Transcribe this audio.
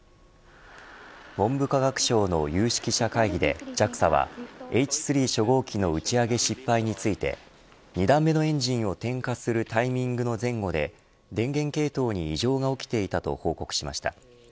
文部科学省の有識者会議でＪＡＸＡはＨ３初号機の打ち上げ失敗について２段目のエンジンを点火するタイミングの前後で電源系統に異常が起きていたと報告しました。